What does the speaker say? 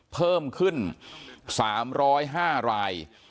เพิ่มขึ้น๓๐๕ราย